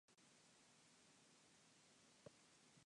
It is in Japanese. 次は立川に停車いたします。